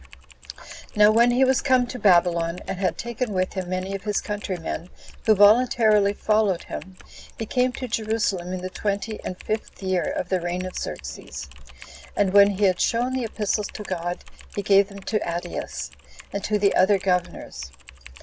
7. Now when he was come to Babylon, and had taken with him many of his countrymen, who voluntarily followed him, he came to Jerusalem in the twenty and fifth year of the reign of Xerxes. And when he had shown the epistles to God 13 he gave them to Adeus, and to the other governors.